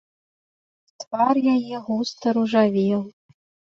Твар яе густа ружавеў.